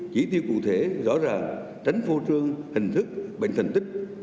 chỉ tiêu cụ thể rõ ràng tránh phô trương hình thức bệnh thành tích